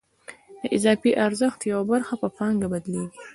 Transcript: د اضافي ارزښت یوه برخه په پانګه بدلېږي